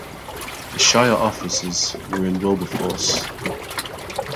The shire offices were in Wilberforce.